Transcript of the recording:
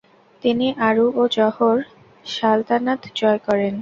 তিনি আরু ও জহর সালতানাত জয় করেন।